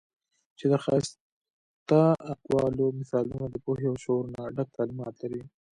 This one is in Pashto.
چې د ښائسته اقوالو، مثالونو د پوهې او شعور نه ډک تعليمات لري